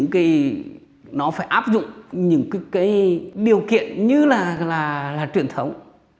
và nó phải áp dụng những điều kiện như là truyền thống